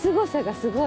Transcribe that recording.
すごい。